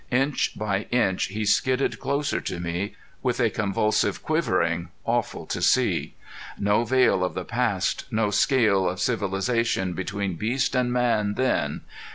Inch by inch he skidded closer to me, with a convulsive quivering awful to see. No veil of the past, no scale of civilization between beast and man then!